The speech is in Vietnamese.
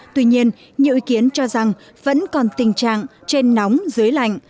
tuy nhiên nhiều ý kiến cho rằng vẫn còn tình trạng trên nóng dưới lạnh